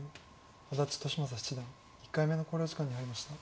安達利昌七段１回目の考慮時間に入りました。